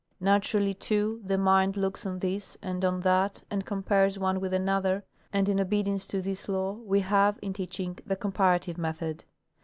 Naturally, too, the mind looks on this and on that and compares one with another, and in obedience to this law we have, in teaching, the comparative method.